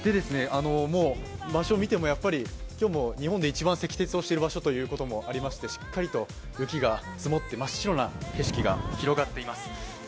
場所見ても今日も日本で一番積雪している場所ということもありましてしっかりと雪が積もって真っ白な景色が広がっています。